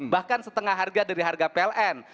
bahkan setengah harga dari harga pln